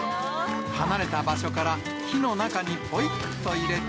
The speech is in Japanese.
離れた場所から火の中にぽいっと入れて。